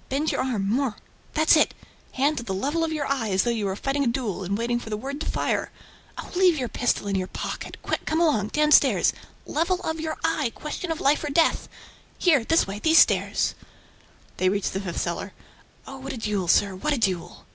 ... Bend your arm ... more ... that's it! ... Hand at the level of your eye, as though you were fighting a duel and waiting for the word to fire! Oh, leave your pistol in your pocket. Quick, come along, down stairs. Level of your eye! Question of life or death! ... Here, this way, these stairs!" They reached the fifth cellar. "Oh, what a duel, sir, what a duel!"